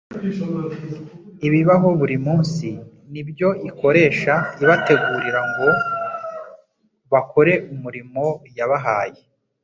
Ibibaho buri munsi, ni byo ikoresha ibategura ngo bakore umurimo yabahaye